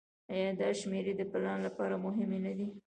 آیا دا شمیرې د پلان لپاره مهمې نه دي؟